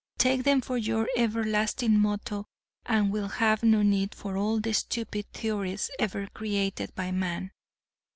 Take them for your everlasting motto and you will have no need for all the stupid theories ever created by man.